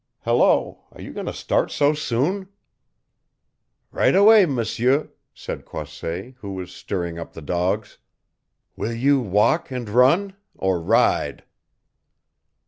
Hello, are you going to start so soon?" "Right away, M'seur," said Croisset, who was stirring up the dogs. "Will you walk and run, or ride?"